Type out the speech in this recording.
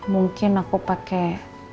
mungkin aku pakai